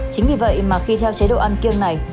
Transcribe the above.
chính vì vậy mà khi theo chế độ ăn kiêng này